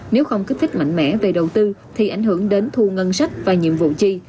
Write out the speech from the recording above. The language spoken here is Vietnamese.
nếu không kích thích mạnh mẽ về đầu tư thì ảnh hưởng đến thu ngân sách và nhiệm vụ chi